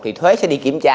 thì thuế sẽ đi kiểm tra